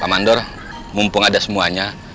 pak mandor mumpung ada semuanya